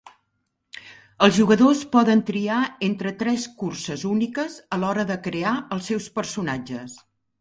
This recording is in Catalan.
Els jugadors poden triar entre tres curses úniques a l'hora de crear els seus personatges.